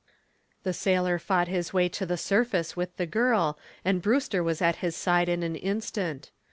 The sailor fought his way to the surface with the girl, and Brewster was at his side in an instant.